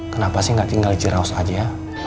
kenapa sih gak tinggal di ciraus aja